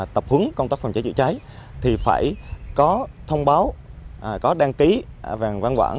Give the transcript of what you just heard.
tập hướng công tác phòng cháy cháy cháy thì phải có thông báo có đăng ký và văn quản